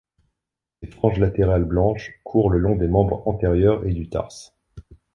Des franges latérales blanches courent le long des membres antérieurs et du tarse.